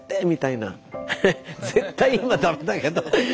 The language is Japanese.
絶対今駄目だけど。